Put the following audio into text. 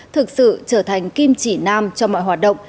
thực sự trở thành kim chỉ nam cho mọi hoạt động